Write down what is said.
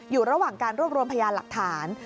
อยู่ระหว่างการรวบรวมพยานหลักฐาน